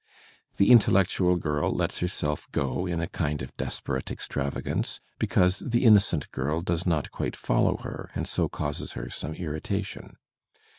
The intellectual girl lets herself go in a kind of desperate extravagance, because the innocent girl does not quite follow her and so causes her some irritation.